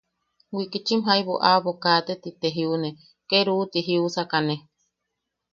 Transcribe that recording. Wikichim jaibu aʼabo kaate ti te jiune, ke ¡ruu! ti jiusakane.